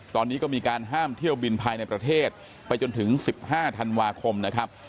ตอนนี้ก็มีการห้ามเที่ยวบินภายในประเทศไปจนถึง๑๕ธันวาคมนะครับ